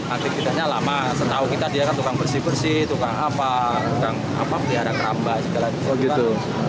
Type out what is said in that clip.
aktivitasnya lama setahu kita dia kan tukang bersih bersih tukang apa tukang pelihara keramba segala macam gitu